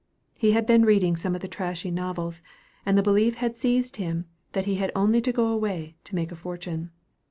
He had been reading some of the trashy novels, and the belief had seized him that he had only to go away, to make a fortune.